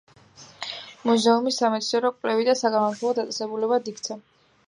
მუზეუმი სამეცნიერო-კვლევით და საგანმანათლებლო დაწესებულებად იქცა.